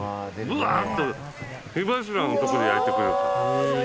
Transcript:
ブワッと火柱のとこで焼いてくれる。